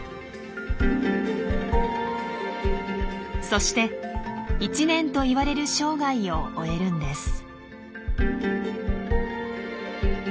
そして１年といわれる生涯を終えるんです。